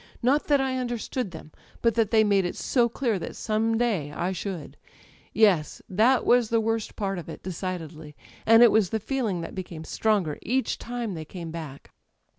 Not that I understood them; but that they made it so clear that some day I should ... Yes, that was the worst part of it, decidedly; and it was the feeling that became stronger each time they came back